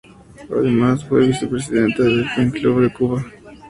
Además fue vicepresidenta del "Pen Club de Cuba".